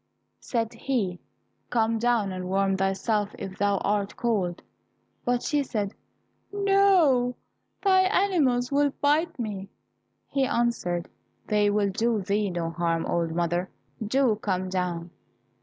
Said he, "Come down, and warm thyself if thou art cold." But she said, "No, thy animals will bite me." He answered, "They will do thee no harm, old mother, do come down."